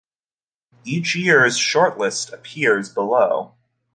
Each year's shortlist appears below.